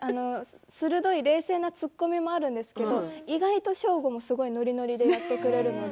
鋭い冷静な突っ込みもあるんですけど意外とショーゴもノリノリでやってくれるので。